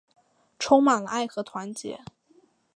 充满了爱和团结